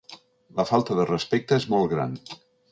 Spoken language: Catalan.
La falta de respecte és molt gran.